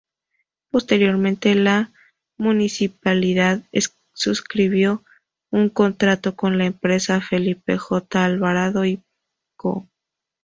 Posteriormente, la Municipalidad suscribió un contrato con la empresa Felipe J. Alvarado y Co.